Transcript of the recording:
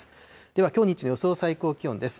では、きょう日中の予想最高気温です。